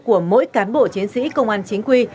của mỗi cán bộ chiến sĩ công an chính quy